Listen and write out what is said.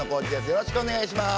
よろしくお願いします。